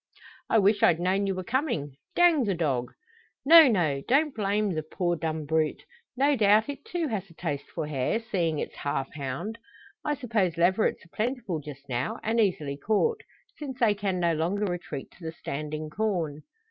"I wish I'd known ye were comin'. Dang the dog!" "No, no! Don't blame the poor dumb brute. No doubt, it too has a taste for hare, seeing it's half hound. I suppose leverets are plentiful just now, and easily caught, since they can no longer retreat to the standing corn?"